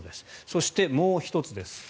そして、もう１つです。